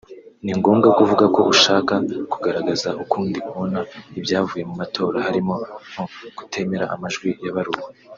ni ngombwa kuvuga ko ushaka kugaragaza ukundi abona ibyavuye mu matora harimo nko kutemera amajwi yabaruwe